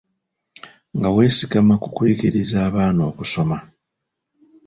Nga weesigama ku kuyigiriza abaana okusoma.